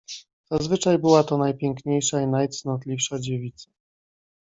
"Zazwyczaj była to najpiękniejsza i najcnotliwsza dziewica."